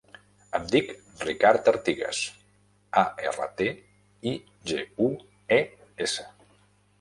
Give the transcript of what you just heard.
Em dic Ricard Artigues: a, erra, te, i, ge, u, e, essa.